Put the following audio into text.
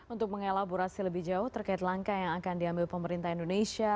untuk mengelaborasi lebih jauh terkait langkah yang akan diambil pemerintah indonesia